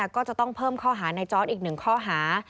ก็จะต้องเพิ่มข้อหาในจอร์ดอีก๑ข้อหา